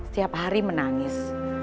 siap hari menangis